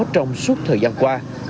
trong suốt thời gian qua